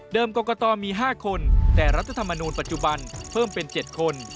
กรกตมี๕คนแต่รัฐธรรมนูญปัจจุบันเพิ่มเป็น๗คน